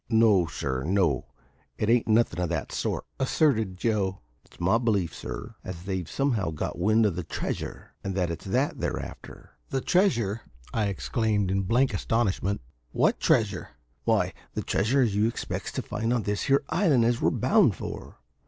"No, sir, no; it ain't nothing of that sort," asserted Joe. "It's my belief, sir, as they've somehow got wind of the treasure, and that it's that they're after." "The treasure?" I exclaimed in blank astonishment. "What treasure?" "Why, the treasure as you expects to find on this here island as we're bound for.